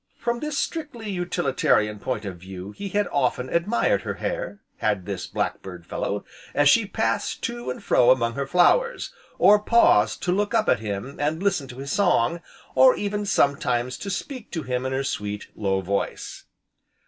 From this strictly utilitarian point of view he had often admired her hair, (had this Black bird fellow), as she passed to and fro among her flowers, or paused to look up at him and listen to his song, or even sometimes to speak to him in her sweet, low voice.